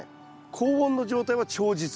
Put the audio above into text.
高温の状態は長日。